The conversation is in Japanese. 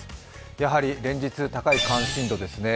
やはり連日、高い関心度ですね。